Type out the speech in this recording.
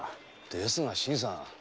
ですが新さん。